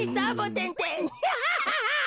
ハハハハハ！